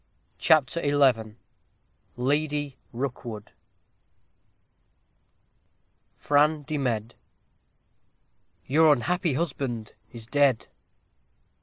CHAPTER XI LADY ROOKWOOD Fran. de Med. Your unhappy husband Is dead.